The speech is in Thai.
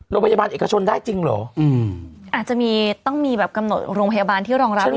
โรงพยาบาลเอกชนได้จริงเหรออืมอาจจะมีต้องมีแบบกำหนดโรงพยาบาลที่รองรับ